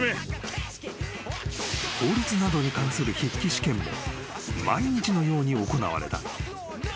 ［法律などに関する筆記試験も毎日のように行われた］